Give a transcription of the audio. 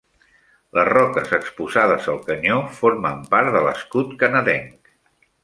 Les roques exposades al Canyó formen part de l'escut canadenc.